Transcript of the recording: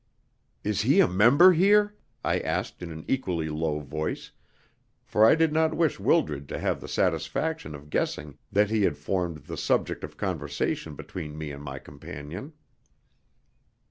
"Is he a member here?" I asked in an equally low voice, for I did not wish Wildred to have the satisfaction of guessing that he had formed the subject of conversation between me and my companion.